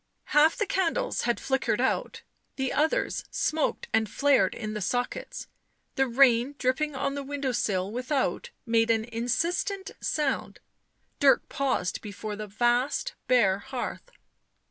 Half the candles had flickered out ; the others smoked and flared in the sockets ; the rain dripping on the window sill without made an insistent sound. Dirk paused before the vast bare hearth.